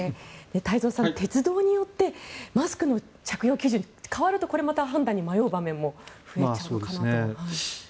太蔵さん、鉄道によってマスクの着用基準が変わると迷う場面も増えちゃうかなと。